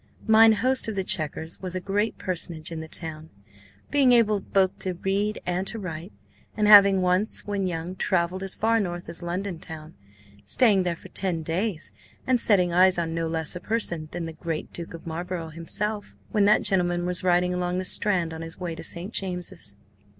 Mine host of the Chequers was a great personage in the town, being able both to read and to write, and having once, when young, travelled as far north as London town, staying there for ten days and setting eyes on no less a person than the great Duke of Marlborough himself when that gentleman was riding along the Strand on his way to St. James's.